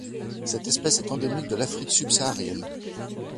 Cette espèce est endémique de l'Afrique subsaharienne.